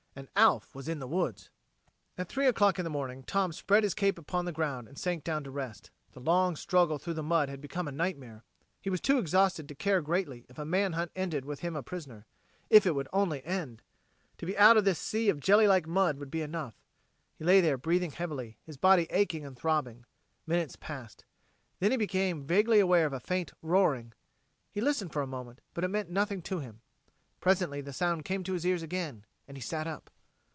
And Alf was in the woods! At three o'clock in the morning Tom spread his cape upon the ground and sank down to rest. The long struggle through the mud had become a nightmare. He was too exhausted to care greatly if the man hunt ended with him a prisoner if it would only end. To be out of this sea of jelly like mud would be enough. He lay there breathing heavily, his body aching and throbbing. Minutes passed. Then he became vaguely aware of a faint roaring. He listened for a moment, but it meant nothing to him. Presently the sound came to his ears again, and he sat up.